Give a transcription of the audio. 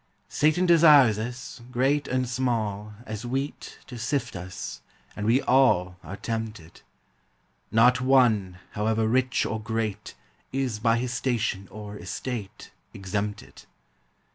Satan desires us, great and small, As wheat, to sift us, and we all Are tempted; Not one, however rich or great, Is by his station or estate Exempted.